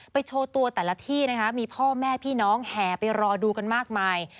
โชว์ตัวแต่ละที่นะคะมีพ่อแม่พี่น้องแห่ไปรอดูกันมากมาย